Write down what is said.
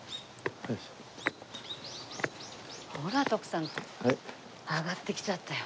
ほら徳さん上がってきちゃったよ。